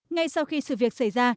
ngay sau khi sự việc xảy ra